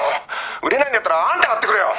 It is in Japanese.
売れないんだったらあんた買ってくれよ！